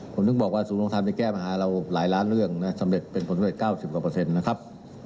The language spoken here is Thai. ผมนึกบอกว่าสูงลงทางที่แก้มาหาเราหลายล้านเรื่องสำเร็จเป็นประโยชน์๙๐นะครับ